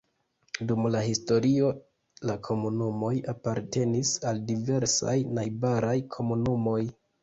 Dum la historio la komunumoj apartenis al diversaj najbaraj komunumoj.